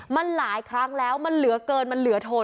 มันหลายครั้งแล้วมันเหลือเกินมันเหลือทน